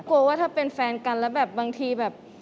ว่าถ้าเป็นแฟนกันแล้วแบบบางทีแบบ